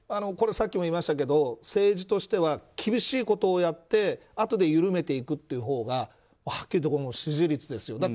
さっきも言いましたけど政治としては厳しいことをやってあとで緩めていくというほうがはっきり言ってこれは支持率ですよ。